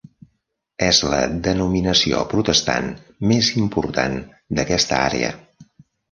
És la denominació protestant més important d'aquesta àrea.